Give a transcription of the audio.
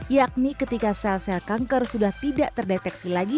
yakni ketika sel sel kanker sudah tidak terdeteksi lagi